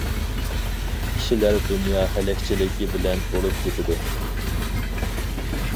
كىشىلەر دۇنيا ھەلەكچىلىكى بىلەن بولۇپ كېتىدۇ.